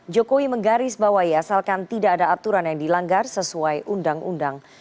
jokowi menggarisbawahi asalkan tidak ada aturan yang dilanggar sesuai undang undang